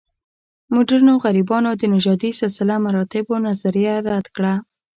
مډرنو غربیانو د نژادي سلسله مراتبو نظریه رد کړه.